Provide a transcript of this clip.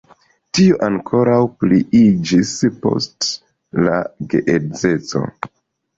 Tio ankoraŭ pliiĝis post la geedzeco.